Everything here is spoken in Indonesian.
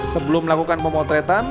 sebelum melakukan memotretan